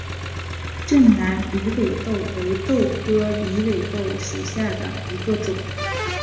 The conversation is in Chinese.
滇南狸尾豆为豆科狸尾豆属下的一个种。